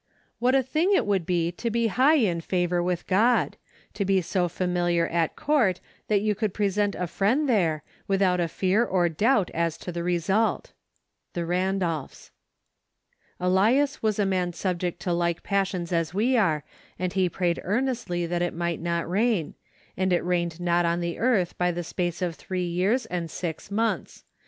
What a thing it would be to be high in favor with God; to be so familiar at court that you could present a friend there, without a fear or doubt as to the result. The Randolphs. " Elias was a man subject to like passions as we are, and he prayed earnestly that it might not rain : and it rained not on the earth by the space of three years and six months.